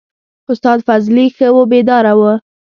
استاد فضلي ښه وو بیداره و.